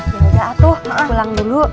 ya udah atuh pulang dulu